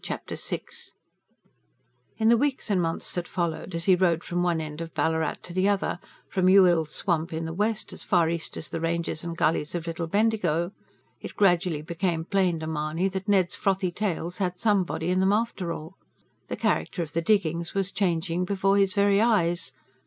Chapter VI In the weeks and months that followed, as he rode from one end of Ballarat to the other from Yuille's Swamp in the west, as far east as the ranges and gullies of Little Bendigo it gradually became plain to Mahony that Ned's frothy tales had some body in them after all. The character of the diggings was changing before his very eyes.